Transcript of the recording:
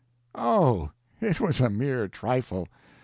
Oh! it was a mere trifle!